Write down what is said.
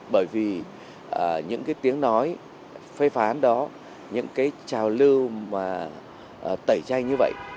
bởi vì những cái tiếng nói phê phán đó những cái trào lưu mà tẩy chay như vậy